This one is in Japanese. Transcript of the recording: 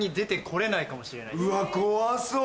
うわ怖そう。